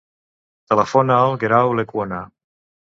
Telefona al Guerau Lecuona.